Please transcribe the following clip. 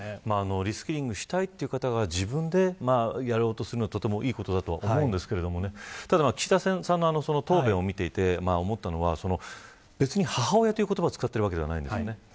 リスキリングしたいという方が自分でやろうとするのはとてもいいことだと思うんですがただ、岸田さんの答弁を見ていて思ったのは別に母親という言葉を使っているわけではないんですよね。